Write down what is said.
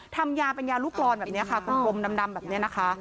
ทำยาเป็นยาลูกกรอนแบบนี้ค่ะกลมดำแบบนี้นะคะ